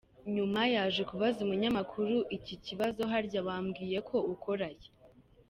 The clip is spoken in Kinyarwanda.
Nyuma yaje kubaza umunyamakuru iki kibazo “Harya wambwiye ko ukora he?”.